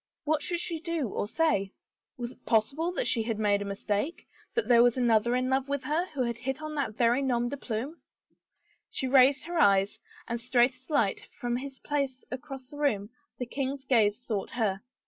What should she do or say? Was it possible that she had made a mistake — that there was another in love with her who had hit on that very nom de plume ? She raised her eyes, and straight as light, from his place across the room, the king's gaze sought her.